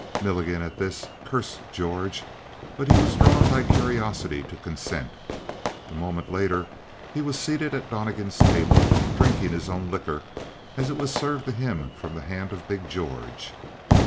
Milligan, at this, cursed George, but he was drawn by curiosity to consent. A moment later he was seated at Donnegan's table, drinking his own liquor as it was served to him from the hands of big George.